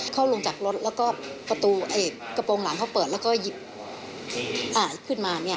เขาลงจากรถแล้วก็ประตูกระโปรงหลังเขาเปิดแล้วก็หยิบขึ้นมา